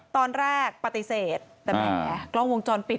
ตอนแรกปฏิเสธแต่แหมกล้องวงจรปิด